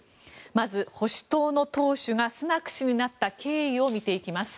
まず、保守党の党首がスナク氏になった経緯を見ていきます。